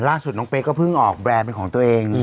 ล่าสุดน้องเป๊กก็เพิ่งออกแบรนด์เป็นของตัวเอง